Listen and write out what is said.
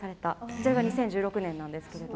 それが２０１６年なんですけど。